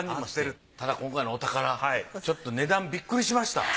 ただ今回のお宝ちょっと値段ビックリしました。